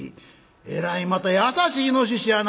「えらいまた優しいイノシシやな」。